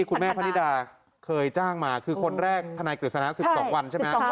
คุณแม่พะนิดาเคยจ้างมาคือคนแรกธนายกรุศนาสิบสองวันใช่ไหม